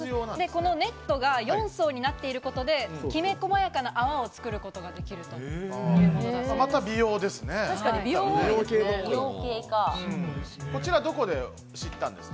このネットが４層になっていることで、きめ細やかな泡を作ることができるということだそうです。